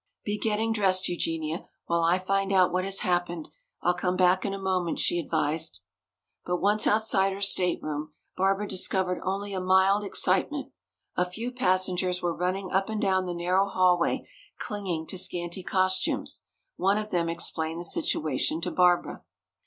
"Be getting dressed, Eugenia, while I find out what has happened. I'll come back in a moment," she advised. But once outside her stateroom, Barbara discovered only a mild excitement. A few passengers were running up and down the narrow hallway, clinging to scanty costumes. One of them explained the situation to Barbara.